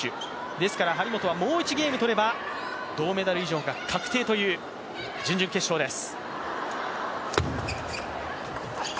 ですから張本はもう１ゲーム取れば銅メダル以上が確定という準々決勝です。